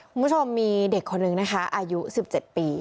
คุณผู้ชมมีเด็กคนนึงนะคะอายุ๑๗ปี